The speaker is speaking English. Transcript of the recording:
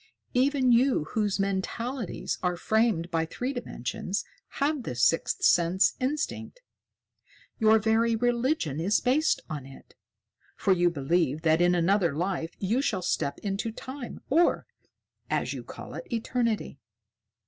Even you whose mentalities are framed by three dimensions have this sixth sense instinct. Your very religion is based on it, for you believe that in another life you shall step into Time, or, as you call it, eternity."